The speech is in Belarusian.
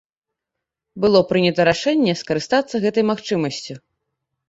Было прынята рашэнне скарыстацца гэтай магчымасцю.